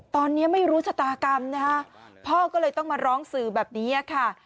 ตอนนี้ไม่รู้ชะตากรรมนะคะพ่อก็เลยต้องมาร้องสื่อแบบนี้ค่ะ